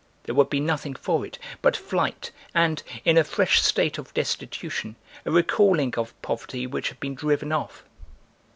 There would be nothing for it but flight and, in a fresh state of destitution, a recalling of poverty which had been driven off.